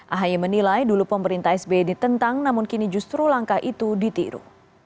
ahy menilai dulu pemerintah sbi ditentang namun kini justru langkah itu ditiru